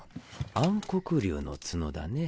暗黒竜の角だね。